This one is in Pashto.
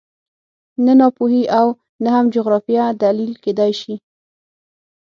نه ناپوهي او نه هم جغرافیه دلیل کېدای شي